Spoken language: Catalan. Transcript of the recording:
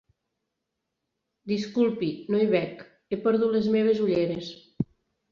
Disculpi, no hi veig. He perdut les meves ulleres.